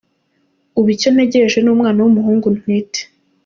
Ubu icyo ntegereje ni umwana w’umuhungu ntwite.